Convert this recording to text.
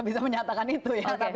bisa menyatakan itu